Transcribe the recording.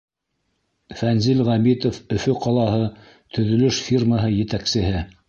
Фәнзил ҒӘБИТОВ, Өфө ҡалаһы, төҙөлөш фирмаһы етәксеһе: